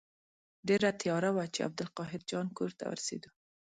ډېره تیاره وه چې عبدالقاهر جان کور ته ورسېدو.